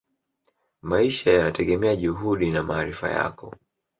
maisha yanategemea juhudi na maarifa yako